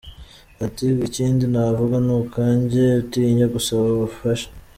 Ati “… Ikindi navuga , ntukajye utinya gusaba ubufasha.